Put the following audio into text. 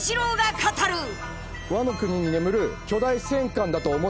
ワノ国に眠る巨大戦艦だと思ってます。